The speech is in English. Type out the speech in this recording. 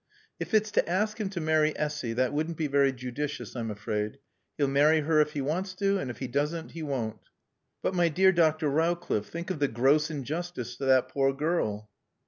"If it's to ask him to marry Essy, that wouldn't be very judicious, I'm afraid. He'll marry her if he wants to, and if he doesn't, he won't." "But, my dear Dr. Rowcliffe, think of the gross injustice to that poor girl."